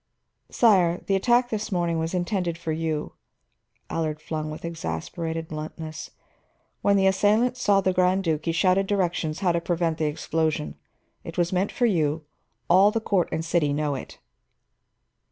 "Sire, the attack this morning was intended for you," Allard flung with exasperated bluntness. "When the assailant saw the Grand Duke, he shouted directions how to prevent the explosion. It was meant for you; all the court and city know it."